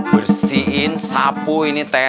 bersihin sapu ini teras dan keras